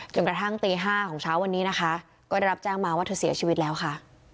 กระทั่งตี๕ของเช้าวันนี้นะคะก็ได้รับแจ้งมาว่าเธอเสียชีวิตแล้วค่ะ